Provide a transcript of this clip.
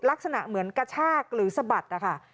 ลักษณะเหมือนกระชากหรือสะบัดนะคะ